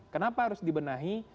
kenapa harus dibenahi